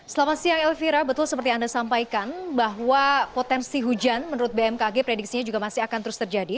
selamat siang elvira betul seperti anda sampaikan bahwa potensi hujan menurut bmkg prediksinya juga masih akan terus terjadi